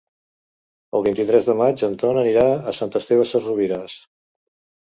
El vint-i-tres de maig en Ton anirà a Sant Esteve Sesrovires.